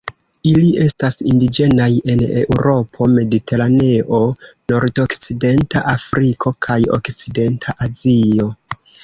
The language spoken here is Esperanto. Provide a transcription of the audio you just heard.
Ili estas indiĝenaj en Eŭropo, Mediteraneo, nordokcidenta Afriko kaj okcidenta Azio.